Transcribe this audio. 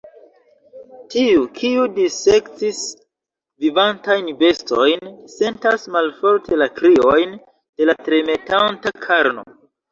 Tiu, kiu dissekcis vivantajn bestojn, sentas malforte la kriojn de la tremetanta karno.